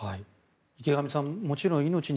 池上さん、もちろん命に